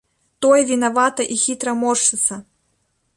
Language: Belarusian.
Той вінавата і хітра моршчыцца.